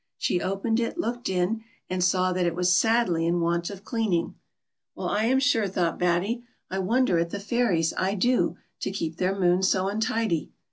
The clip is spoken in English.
She opened it, looked in, and saw that it was sadly in want of cleaning. " Well, I am sure," thought Batty ;" I wonder at the fairies, I do, to keep their moon so untidy."